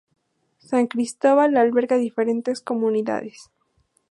San Cristóbal alberga diferentes comunidades.